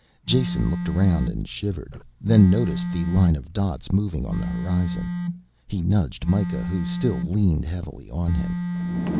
Jason looked around and shivered then noticed the line of dots moving on the horizon. He nudged Mikah who still leaned heavily on him.